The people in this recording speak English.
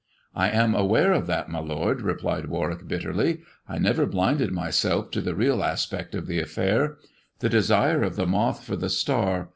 " I am aware of that, my lord," replied Warwick bitterly ;" I never blinded myself to the real aspect of the affair. The desire of the moth for the star.